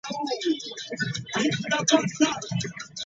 Each single sleeve featured the band on the sofa in a different location.